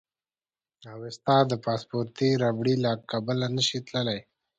اوېستا د پاسپورتي ربړې له کبله نه شي تللی.